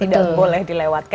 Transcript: ini juga beragam macam